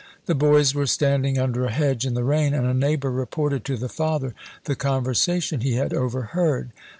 The boys were standing under a hedge in the rain, and a neighbour reported to the father the conversation he had overheard.